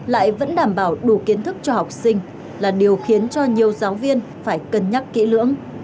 lại vẫn đảm bảo đủ kiến thức cho học sinh là điều khiến cho nhiều giáo viên phải cân nhắc kỹ lưỡng